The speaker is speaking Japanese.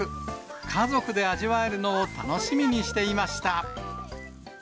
家族で味わえるのを楽しみにしていました。